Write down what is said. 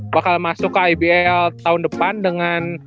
bakal masuk ke ibl tahun depan dengan